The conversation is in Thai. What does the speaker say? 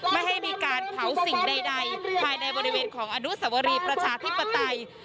ไม่ให้มีการเผาสิ่งใดภายในบริเวณของอนุสวรีประชาธิปไตย